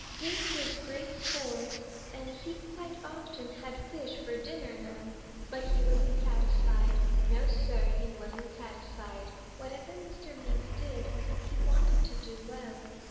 This was great sport, and he quite often had fish for dinner now. "But he wasn't satisfied. No, Sir, he wasn't satisfied. Whatever Mr. Mink did, he wanted to do well.